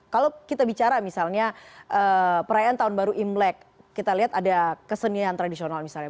kalau kita bicara misalnya perayaan tahun baru imlek kita lihat ada kesenian tradisional misalnya